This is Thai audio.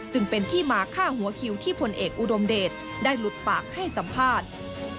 จึงเป็นที่มาฆ่าหัวคิวที่พลเอกอุดมเดชได้หลุดปากให้สัมภาษณ์